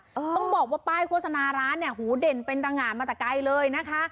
ต้องบอกว่าป้ายโฆษณาร้านเนี่ยหูเด่นเป็นตะงานมาแต่ไกลเลยนะคะ